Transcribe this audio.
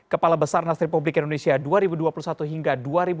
kepala besar nas republik indonesia dua ribu dua puluh satu hingga dua ribu dua puluh